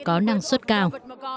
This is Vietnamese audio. có năng suất cao